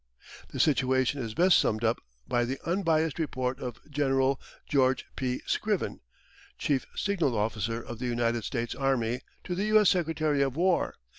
The situation is best summed up in the unbiassed report of General George P. Scriven, Chief Signal officer of the United States Army to the U.S. Secretary of War.